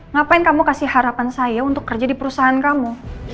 ngapain kamu kasih harapan saya untuk kerja di perusahaan kamu